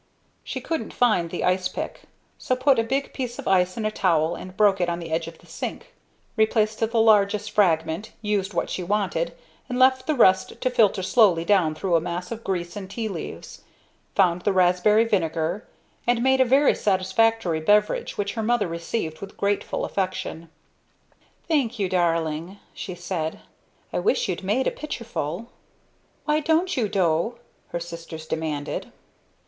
She couldn't find the ice pick, so put a big piece of ice in a towel and broke it on the edge of the sink; replaced the largest fragment, used what she wanted, and left the rest to filter slowly down through a mass of grease and tea leaves; found the raspberry vinegar, and made a very satisfactory beverage which her mother received with grateful affection. "Thank you, my darling," she said. "I wish you'd made a pitcherful." "Why didn't you, Do?" her sisters demanded.